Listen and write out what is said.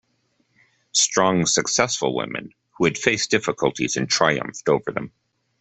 Strong, successful women, who had faced difficulties and triumphed over them.